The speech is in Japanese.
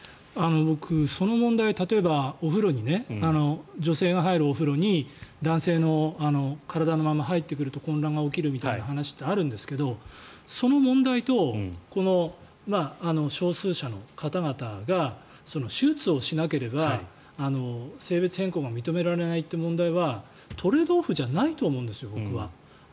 僕、その問題、例えば女性が入るお風呂に男性の体のまま入ってくると混乱が起こるみたいな話ってあるんですがその問題と、この少数者の方々が手術をしなければ性別変更が認められないという問題はトレードオフじゃないと思うんです、僕は。